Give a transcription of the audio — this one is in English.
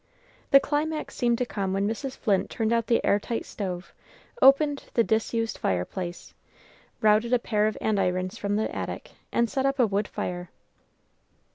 The climax seemed to come when Mrs. Flint turned out the air tight stove, opened the disused fireplace, routed a pair of andirons from the attic, and set up a wood fire.